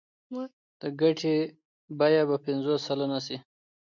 د ګټې بیه به پنځوس سلنه شي